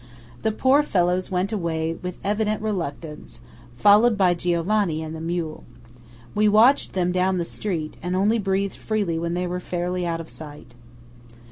The poor fellows went away with evident reluctance, followed by Giovanni and the mule. We watched them down the street, and only breathed freely when they were fairly out of sight.